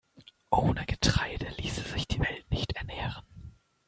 Ohne Getreide ließe sich die Welt nicht ernähren.